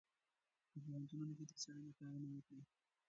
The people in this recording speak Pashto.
په پوهنتونونو کې د څېړنې کارونه وکړئ.